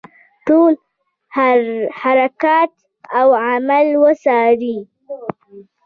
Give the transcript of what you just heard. ټول حرکات او اعمال وڅاري.